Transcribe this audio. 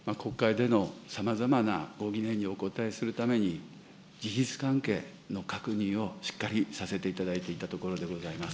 国会でのさまざまなご疑念にお答えするために、事実関係の確認をしっかりさせていただいていたところでございま